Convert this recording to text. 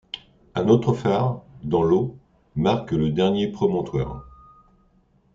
Un autre phare, dans l'eau, marque le dernier promontoire.